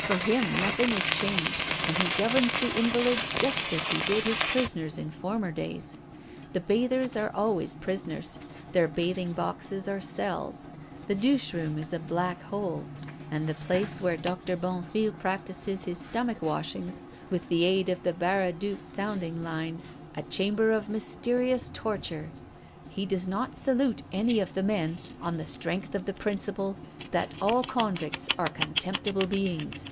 For him nothing is changed, and he governs the invalids just as he did his prisoners in former days. The bathers are always prisoners, their bathing boxes are cells, the douche room a black hole, and the place where Doctor Bonnefille practices his stomach washings with the aid of the Baraduc sounding line a chamber of mysterious torture. He does not salute any of the men on the strength of the principle that all convicts are contemptible beings.